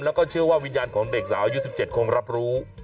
แล้วก็เชื่อว่าวิญญาณของเด็กสาวอายุ๑๗คงรับรู้